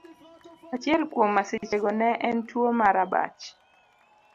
Achiel kuom masichego ne en tuwo mar abach.